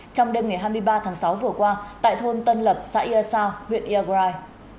trong đêm ngày hai mươi ba tháng sáu vừa qua tại thôn tân lập xã yê sao huyện egorai